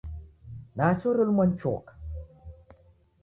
Nachi orelumwa ni choka!